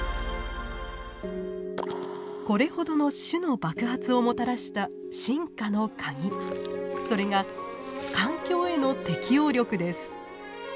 これほどの種の爆発をもたらした進化のカギそれが環境への適応力です。